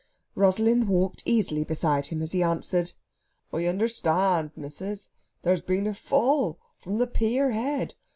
Rosalind walked easily beside him as he answered: "I oondersta'and, missis, there's been a fall from the pier head....